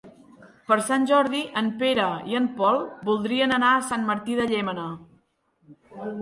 Per Sant Jordi en Pere i en Pol voldrien anar a Sant Martí de Llémena.